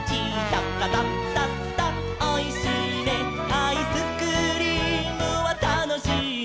「アイスクリームはたのしいね」